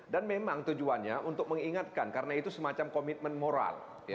dan memang tujuannya untuk mengingatkan karena itu semacam komitmen moral